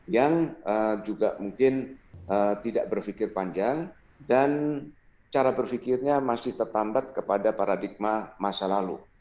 yang juga mungkin tidak berpikir panjang dan cara berpikirnya masih tertambat kepada paradigma masa lalu